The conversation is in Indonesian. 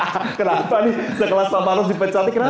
kenapa nih sekelas sama harus dipecat kenapa